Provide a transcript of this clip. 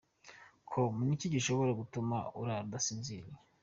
com: N’iki gishobora gutuma urara udasinziriye?.